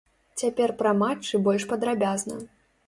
Цяпер пра матчы больш падрабязна.